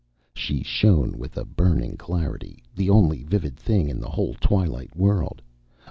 She shone with a burning clarity, the only vivid thing in the whole twilit world.